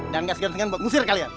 dan gak segini segini gue ngusir kalian